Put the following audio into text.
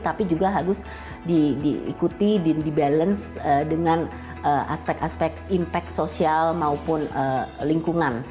tapi juga harus diikuti di balance dengan aspek aspek impact sosial maupun lingkungan